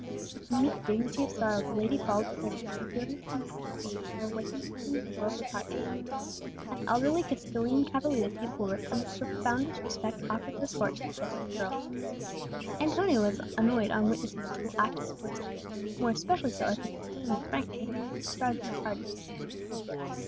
With the meek dignity of sorrow the lady followed the servant, and feelings of compassion for her were awakened even in worldly hearts. An elderly Castilian cavalier came forward, and with the profoundest respect offered his escort to the desolate girl. Antonia was annoyed on witnessing this little act of courtesy, and more especially so as the Castilian's rank made him one of the stars of her party.